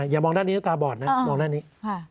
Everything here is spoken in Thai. อย่ามองด้านนี้ตาบอดนะมองด้านนี้